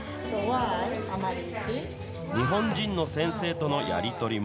日本人の先生とのやり取りも。